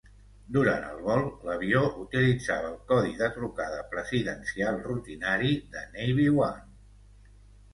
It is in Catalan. Durant el vol, l'avió utilitzava el codi de trucada presidencial rutinari de "Navy One".